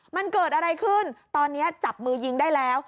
มันเกิดอะไรขึ้นตอนนี้จับมือยิงได้แล้ว